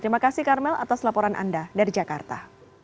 terima kasih karmel atas laporan anda dari jakarta